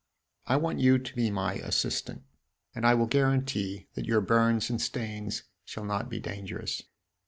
I want you to be my assistant, and I will guarantee that your burns and stains shall not be dangerous.